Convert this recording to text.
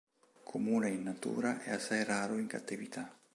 Comune in natura è assai raro in cattività.